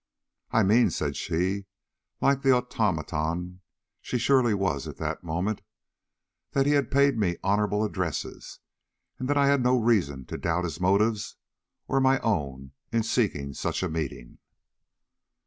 "I mean," said she, like the automaton she surely was at that moment, "that he had paid me honorable addresses, and that I had no reason to doubt his motives or my own in seeking such a meeting."